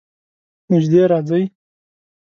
نژدې راځئ